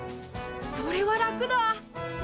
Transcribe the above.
それは楽だ！